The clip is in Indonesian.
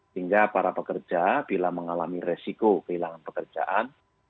sehingga para pekerja bila mengalami resiko kehilangan pekerjaan